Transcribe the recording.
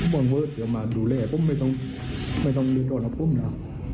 บ่นพ่อเตรียมมาดูแลไม่ต้องเลี้ยงกันหรอกผมนะ